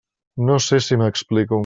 No sé si m'explico.